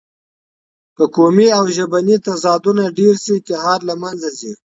که قومي او ژبني تضادونه ډېر شي، اتحاد له منځه ځي.